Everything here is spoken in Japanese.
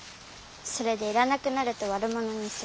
それでいらなくなるとわるものにする。